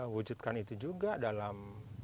wujudkan itu juga dalam